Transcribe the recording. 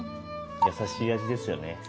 優しい味ですよね。